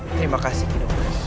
terima kasih kinobres